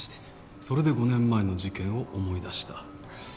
それで５年前の事件を思い出した？